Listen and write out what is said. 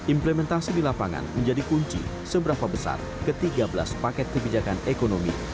implementasi di lapangan menjadi kunci seberapa besar ke tiga belas paket kebijakan ekonomi